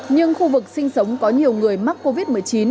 nhưng khu vực sinh sống có nhiều người mắc covid một mươi chín